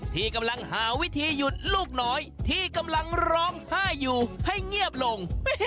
ที่กำลังหาวิธีหยุดลูกน้อยที่กำลังร้องไห้อยู่ให้เงียบลง